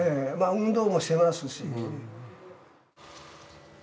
運動もしてますし。